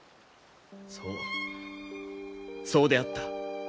そうそうであった。